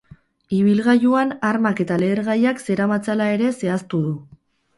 Ibilgailuan armak eta lehergaiak zeramatzala ere zehaztu du.